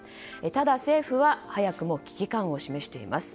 ただ、政府は早くも危機感を示しています。